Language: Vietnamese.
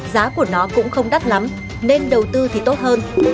giá của nó cũng không đắt lắm nên đầu tư thì tốt hơn